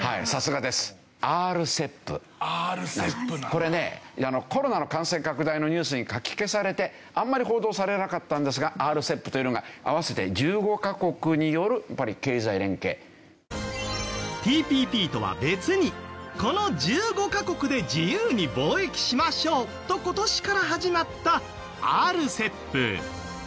これねコロナの感染拡大のニュースにかき消されてあんまり報道されなかったんですがＲＣＥＰというのが合わせてＴＰＰとは別にこの１５カ国で自由に貿易しましょうと今年から始まったＲＣＥＰ。